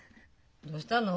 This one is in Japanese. どうしたの？